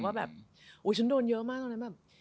ว่าแบบอุ๊ยฉันโดนเยอะมากตอนนั้นแบบ